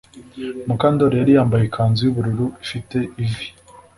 Mukandoli yari yambaye ikanzu yubururu ifite ivi